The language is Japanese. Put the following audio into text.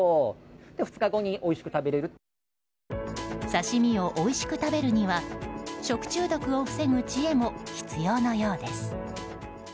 刺し身をおいしく食べるには食中毒を防ぐ知恵も必要のようです。